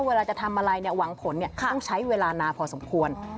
เวลาจะทำอะไรหวังผลต้องใช้เวลานานพอสมควร